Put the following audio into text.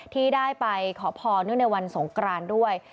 ที่ได้ไปขอพรเนื่องในวันสงกรานด้วย